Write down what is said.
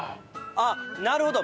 あっなるほど。